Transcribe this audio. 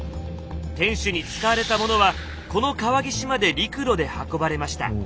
天守に使われたものはこの川岸まで陸路で運ばれました。